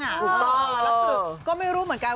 แล้วคือก็ไม่รู้เหมือนกัน